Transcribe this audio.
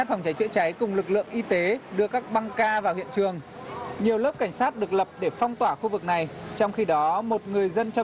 hóa cục trưởng cục cảnh sát phòng chống tội phạm